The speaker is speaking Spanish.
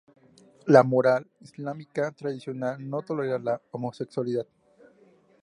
La moral Islámica tradicional no tolera la homosexualidad.